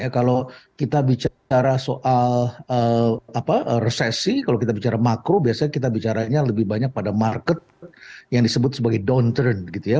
kalau kita bicara soal resesi kalau kita bicara makro biasanya kita bicaranya lebih banyak pada market yang disebut sebagai down tern gitu ya